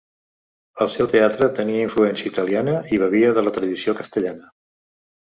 El seu teatre tenia influència italiana i bevia de la tradició castellana.